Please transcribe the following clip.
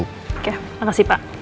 oke makasih pak